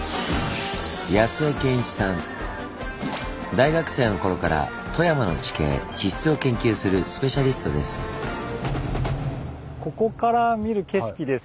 大学生の頃から富山の地形地質を研究するスペシャリストです。